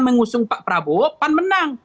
mengusung pak prabowo pan menang